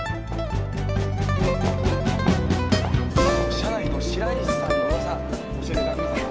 社内の白石さんの噂教えていただけませんか？